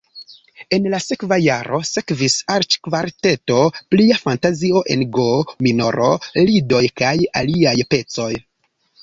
En la sekva jaro sekvis arĉkvarteto, plia fantazio en g-minoro, lidoj kaj aliaj pecoj.